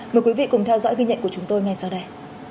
mời quý vị cùng theo dõi ghi nhận của chúng tôi ngay sau đây